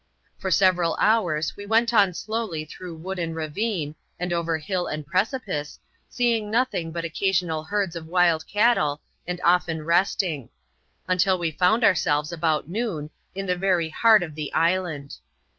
For several hours we went on slowly through wood and ravine, and over hill and precipice, seeing nothing but occasional herds of wild cattle, and often resting ; until we found ourselves^ about noon, in the very heart of the island.